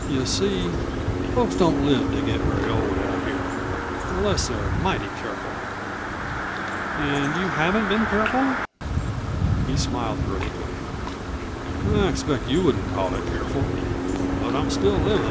You see, folks don't live to get very old out here unless they're mighty careful." "And you haven't been careful?" He smiled gravely. "I expect you wouldn't call it careful. But I'm still livin'."